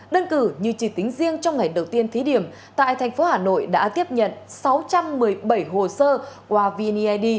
đơn cử như chỉ tính riêng trong ngày đầu tiên thí điểm tại thành phố hà nội đã tiếp nhận sáu trăm một mươi bảy hồ sơ qua vniid